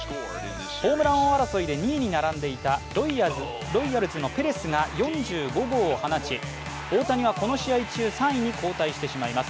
ホームラン王争いで２位に並んでいたロイヤルズのペレスが４５号を放ち、大谷はこの試合中３位に後退してしまいます。